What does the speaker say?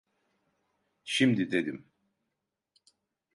Şimdi dedim!